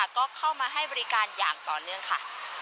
ก็เข้ามาให้บริการอย่างต่อเนื่องค่ะ